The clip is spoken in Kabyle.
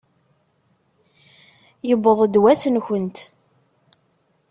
Yewweḍ-d wass-nkent!